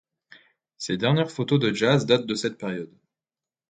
Ses dernières photos de jazz datent de cette période.